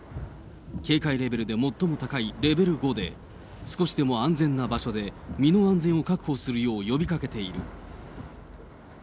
警戒レベルで最も高いレベル５で、少しでも安全な場所で身の安全を確保するよう呼びかけている。